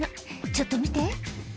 「ちょっと見て」